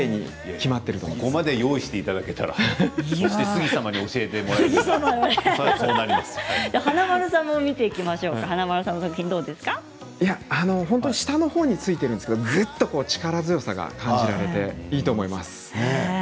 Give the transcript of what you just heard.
ここまで用意していただけたらそして杉様に教えていただけたら華丸さんの作品は下のほうについているんですけどぐっと力強さが感じられていいと思います。